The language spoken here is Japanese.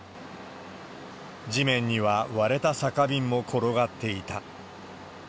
地面には割れた酒瓶も転がっていた。